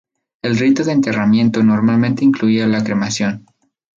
El rito de enterramiento normalmente incluía la cremación.